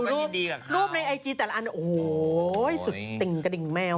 ดูรูปในไอจีแต่ละอัน